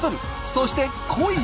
そして恋！？